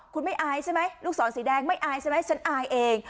คุณไม่อายใช่ไหมลูกศรสีแดงไม่อายใช่ไหมฉันอายเอง